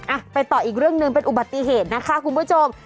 อ่ะไปต่ออีกเรื่องหนึ่งเป็นอุบัติเหตุนะคะคุณผู้ชม